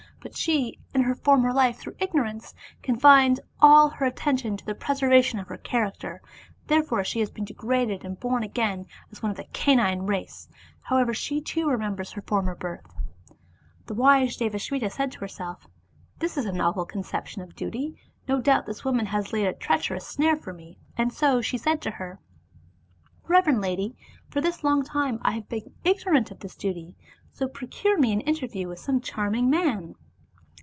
But she, in her former life, through ignorance, confined all her at tention to the preservation of her character, therefore she has been degraded and born again as one of the canine race, however, she too remembers her former birth." The wise Devasmita said to herself, " This is a novel conception of duty; no doubt this woman has laid a treacherous snare for me "; and so she said to her, " Reverend lady, for this long time I have been ignorant of this duty, so procure me an interview with some charming man."